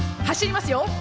走りますよ。